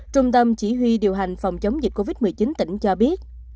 trung tâm chỉ huy điều hành phòng chống dịch covid một mươi chín tỉnh cho biết